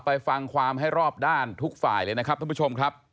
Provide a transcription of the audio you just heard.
ฟังความให้รอบด้านทุกฝ่ายเลยนะครับท่านผู้ชมครับ